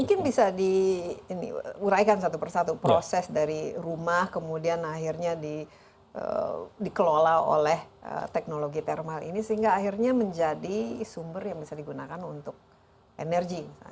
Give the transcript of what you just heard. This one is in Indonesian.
mungkin bisa diuraikan satu persatu proses dari rumah kemudian akhirnya dikelola oleh teknologi thermal ini sehingga akhirnya menjadi sumber yang bisa digunakan untuk energi misalnya